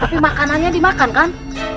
tapi makanannya dimakan kan